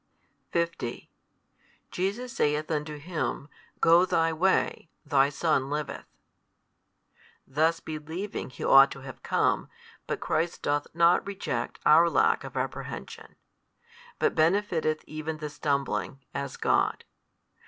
50 Jesus saith unto him, Go thy way; thy son liveth. Thus believing he ought to have come, but Christ doth |234 not reject our lack of apprehension; but benefiteth even the stumbling, as God.